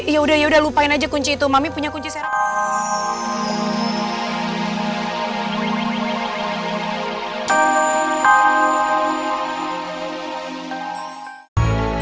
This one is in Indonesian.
yaudah yaudah lupain aja kunci itu mami punya kunci serangga